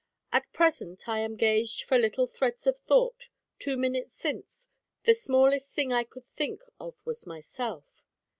At present I am gauged for little threads of thought two minutes since, the smallest thing I could think of was myself.